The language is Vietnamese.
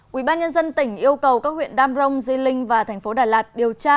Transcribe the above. quỹ ban nhân dân tỉnh yêu cầu các huyện đam rông di linh và thành phố đà lạt điều tra